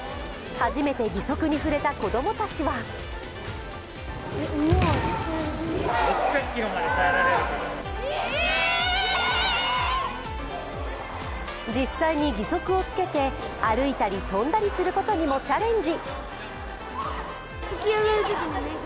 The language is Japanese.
初めて義足に触れた子供たちは実際に義足をつけて歩いたり跳んだりすることにもチャレンジ。